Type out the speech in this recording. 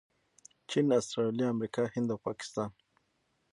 چین، اسټرلیا، امریکا، هند او پاکستان